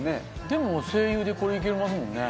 でもＳＥＩＹＵでこれいけますもんね。